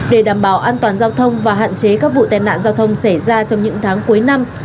để đảm bảo an toàn giao thông và hạn chế các vụ tai nạn giao thông xảy ra trong những tháng cuối năm